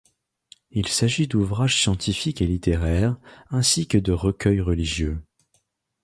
Il s'agit d'ouvrages scientifiques et littéraires, ainsi que de recueils religieux.